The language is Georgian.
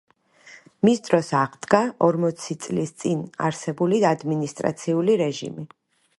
მის დროს აღდგა ორმოცი წლის წინ არსებული ადმინისტრაციული რეჟიმი.